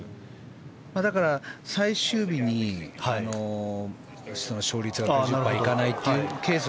だから、最終日に勝率が５０％いかないというケース。